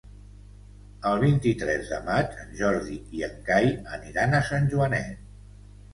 El vint-i-tres de maig en Jordi i en Cai aniran a Sant Joanet.